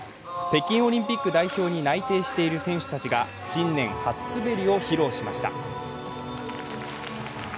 北京オリンピック代表に内定している選手たちが新年初滑りを披露しました。